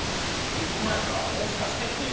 １個もないからもしかしてっていう。